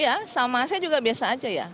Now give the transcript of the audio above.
ya sama saya juga biasa saja ya